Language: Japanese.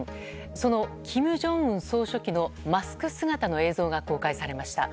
この金正恩総書記のマスク姿の映像が公開されました。